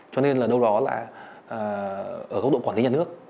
cho nên là đâu đó là ở góc độ quản lý nhà nước